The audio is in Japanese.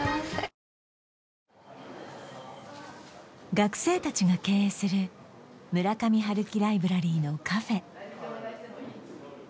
学生たちが経営する「村上春樹ライブラリー」のカフェ